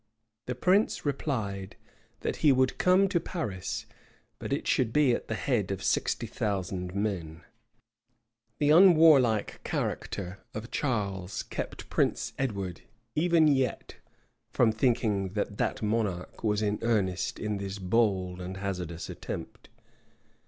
The prince replied, that he would come to Paris, but it should be at the head of sixty thousand men.[*] The unwarlike character of Charles kept Prince Edward, even yet, from thinking that that monarch was in earnest in this bold and hazardous attempt.